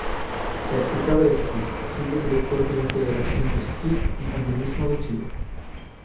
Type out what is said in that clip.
Practicaba el ski, siendo director de la Federación de Ski y Andinismo de Chile.